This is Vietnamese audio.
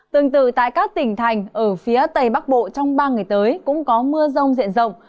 tương tự tại các tỉnh thành ở phía tây bắc bộ trong ba ngày tới cũng có mưa rông diện rộng